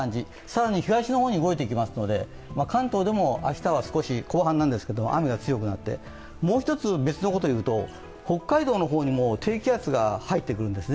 更に東の方に動いていきますので、関東でも明日は少し、後半なんですけれども雨が強くなって、もう一つ、別のことをいうと、北海道の方にも低気圧が入ってくるんです。